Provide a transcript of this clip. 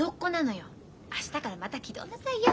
明日からまた気取んなさいよ。